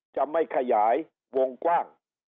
จะไม่ขยายวงกว้าง